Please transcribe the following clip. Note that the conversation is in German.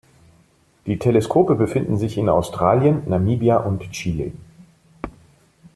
Die Teleskope befinden sich in Australien, Namibia und Chile.